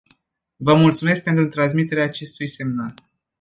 Vă mulțumesc pentru transmiterea acestui semnal.